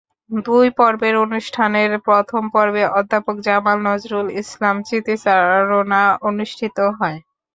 দুই পর্বের অনুষ্ঠানের প্রথম পর্বে অধ্যাপক জামাল নজরুল ইসলামের স্মৃতিচারণা অনুষ্ঠিত হয়।